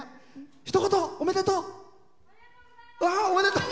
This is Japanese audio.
ひと言、おめでとう！